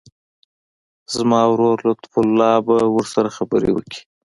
زما ورور لطیف الله به ورسره خبرې وکړي.